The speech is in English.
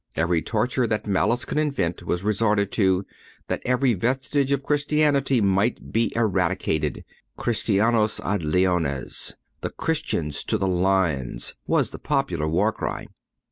Every torture that malice could invent was resorted to, that every vestige of Christianity might be eradicated. _"__Christianos ad leones,__"__ the Christians to the lions_, was the popular war cry.